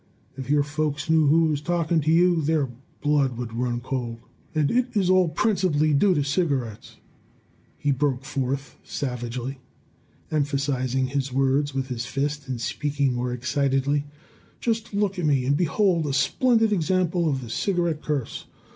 If your folks knew who was talking to you, their blood would run cold. "And it is all principally due to cigarettes!" he broke forth, savagely, emphasizing his words with his fist and speaking more excitedly. "Just look at me and behold a splendid example of the cigarette curse.